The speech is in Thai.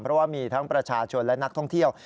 เพราะว่ามีทั้งประชาชนและนักท่องเที่ยว